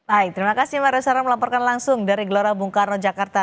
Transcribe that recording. baik terima kasih mario sarang melaporkan langsung dari gelora bungkarno jakarta